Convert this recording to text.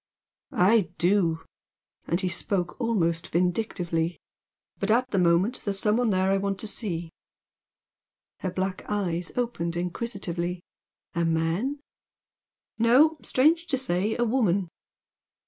"I do!" and he spoke almost vindictively "But, at the moment, there's some one there I want to see." Her black eyes opened inquisitively. "A man?" "No. Strange to say, a woman."